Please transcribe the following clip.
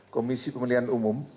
komisi pemilihan umum